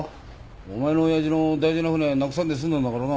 お前の親父の大事な船なくさんで済んだんだからな。